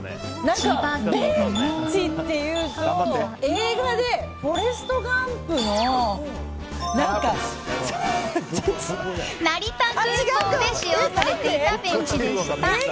ベンチっていうと映画で「フォレスト・ガンプ」の。成田空港で使用されていたベンチでした。